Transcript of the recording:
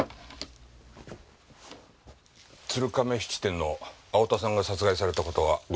鶴亀質店の青田さんが殺害された事はご存じですか？